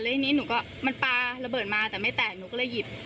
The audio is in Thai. ทีนี้หนูก็มันปลาระเบิดมาแต่ไม่แตกหนูก็เลยหยิบ